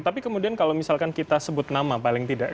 tapi kemudian kalau misalkan kita sebut nama paling tidak ya